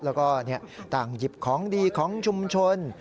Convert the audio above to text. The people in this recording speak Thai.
แล้วก็ต่างหยิบของดีของชุมชน